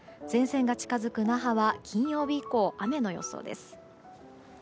前線が近づく那覇は金曜日以降雨の予想です。